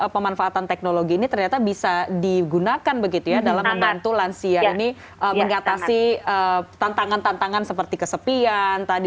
jadi perusahaan pemanfaatan teknologi ini ternyata bisa digunakan begitu ya dalam membantu lansia ini mengatasi tantangan tantangan seperti kesepian tadi